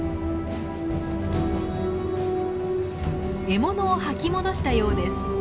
獲物を吐き戻したようです。